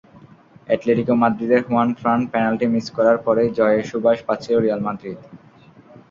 Atletico মাদ্রিদের Juanfran penalty miss করার পরই জয়ের সুবাস পাচ্ছিল রিয়াল মাদ্রিদ।